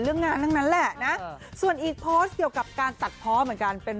เรื่องงานทั้งนั้นแหละนะส่วนอีกโพสต์เกี่ยวกับการตัดเพาะเหมือนกันเป็น